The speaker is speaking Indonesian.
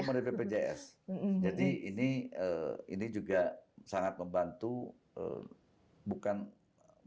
sebelum ada bpjs jadi ini ini juga sangat membantu bukan hanya bibelston kira kira ini